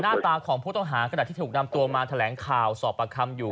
หน้าตาขณะที่เขาเนี่ยฮะกำลังแผลงค่าถูกสอบประคัมอยู่